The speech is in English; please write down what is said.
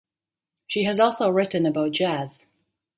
She has also written about jazz.